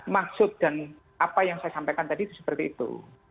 maksud dan apa yang saya sampaikan tadi itu seperti itu